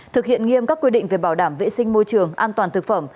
thực hiện nghiêm các quy định về bảo đảm vệ sinh môi trường an toàn thực phẩm